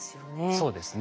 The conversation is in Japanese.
そうですね。